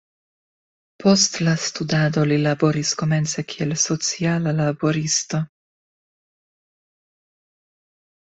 Post la studado, li laboris komence kiel sociala laboristo.